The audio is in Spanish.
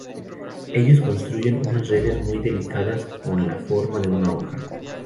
Ellos construyen unas redes muy delicadas con la forma de una hoja.